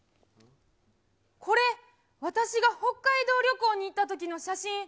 これ、私が北海道旅行に行ったときの写真。